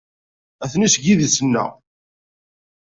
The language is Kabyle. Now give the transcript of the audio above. Atni seg yidis-nneɣ.